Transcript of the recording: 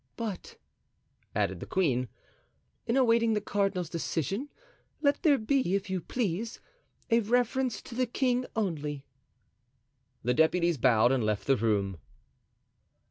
"But," added the queen, "in awaiting the cardinal's decision let there be, if you please, a reference to the king only." The deputies bowed and left the room.